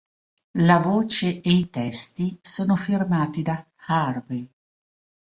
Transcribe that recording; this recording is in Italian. La voce e i testi sono firmati da Harvey.